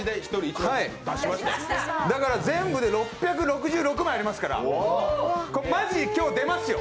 全部で６６６枚ありますからマジで今日出ますよ！